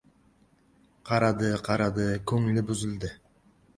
Qaradi-qaradi, ko‘ngli buzildi.